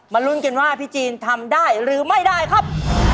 ลุ้นกันว่าพี่จีนทำได้หรือไม่ได้ครับ